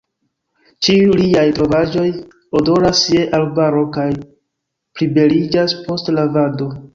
Ĉiuj liaj trovaĵoj odoras je arbaro kaj plibeliĝas post lavado.